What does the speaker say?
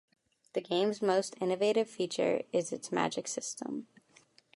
The game's most innovative feature is its magic system.